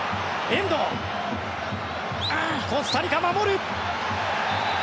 コスタリカ、守る。